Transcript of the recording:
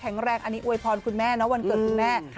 แรงอันนี้อวยพรคุณแม่นะวันเกิดคุณแม่